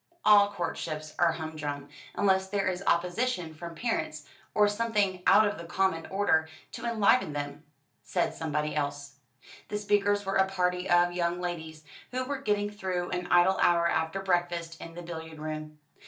"All courtships are humdrum, unless there is opposition from parents, or something out of the common order to enliven them," said somebody else. The speakers were a party of young ladies, who were getting through an idle hour after breakfast in the billiard room.